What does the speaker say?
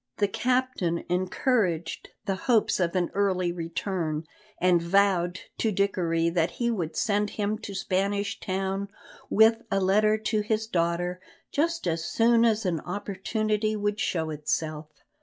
The captain encouraged the hopes of an early return, and vowed to Dickory that he would send him to Spanish Town with a letter to his daughter just as soon as an opportunity should show itself.